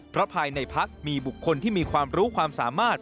เพราะภายในพักมีบุคคลที่มีความรู้ความสามารถ